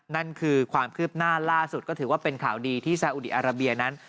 นั่นคือความคืบหน้าล่าสุดก็ถือว่าเป็นข่าวดีที่สาอุดีอาราเบียนั้น